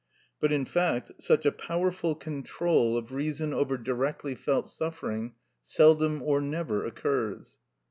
But, in fact, such a powerful control of reason over directly felt suffering seldom or never occurs.